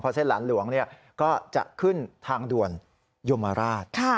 เพราะเส้นหลันหลวงเนี่ยก็จะขึ้นทางด่วนยมราช